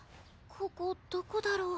ここどこだろう？